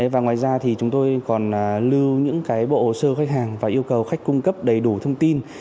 và ngoài ra thì chúng tôi còn lưu những bộ hồ sơ khách hàng và yêu cầu khách cung cấp đầy đủ thông tin